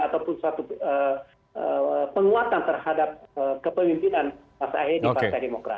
ataupun suatu penguatan terhadap kepemimpinan mas ahy di partai demokrat